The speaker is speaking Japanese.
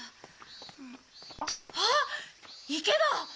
あっ池だ！